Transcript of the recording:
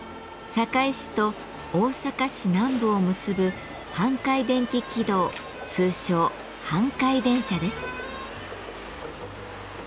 堺市と大阪市南部を結ぶ「阪堺電気軌道」通称「阪堺電車」です。